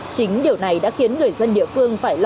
chính điều này đã khiến người dân địa phương phải lo lắng